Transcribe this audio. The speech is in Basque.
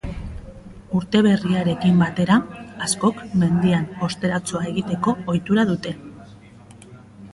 Urte berriarekin batera askok mendian osteratxoa egiteko ohitura dute.